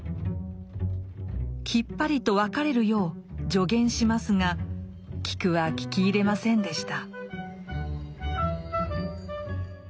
きっぱりと別れるよう助言しますがキクは聞き入れませんでした。